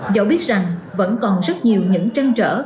dẫu biết rằng vẫn còn rất nhiều những trăn trở